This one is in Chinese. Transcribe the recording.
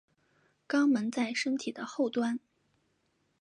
肛门在身体的后端。